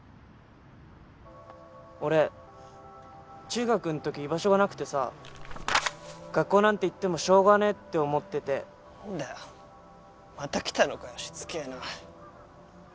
俺中学んとき居場所がなくてさ学校なんて行ってもしょうがねえって思っててんだよまた来たのかよしつけえな